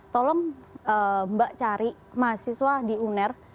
tolong mbak cari mahasiswa di uner